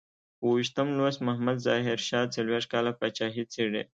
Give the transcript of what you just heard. اوو ویشتم لوست محمد ظاهر شاه څلویښت کاله پاچاهي څېړي.